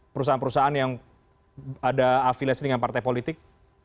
perusahaan perusahaan yang ada afiliasi dengan partai politik